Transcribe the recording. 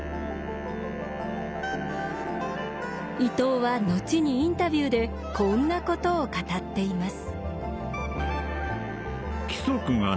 伊藤は後にインタビューでこんなことを語っています。